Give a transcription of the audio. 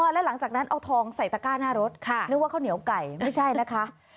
และหลังจากนั้นเอาทองใส่ตะก้าหน้ารถนึกว่าข้าวเหนียวไก่ไม่ใช่นะคะ